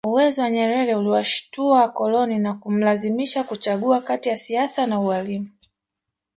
Uwezo wa Nyerere uliwashitua wakoloni na kumlazimisha kuchagua kati ya siasa na ualimu